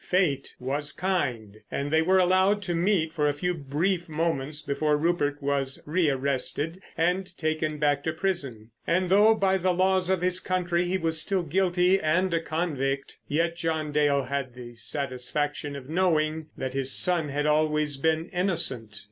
Fate was kind, and they were allowed to meet for a few brief moments before Rupert was re arrested and taken back to prison. And though by the laws of his country he was still guilty and a convict, yet John Dale had the satisfaction of knowing that his son had always been innocent.